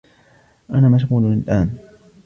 أنا مشغول الأن.